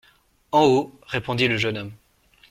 En haut, répondit le jeune homme.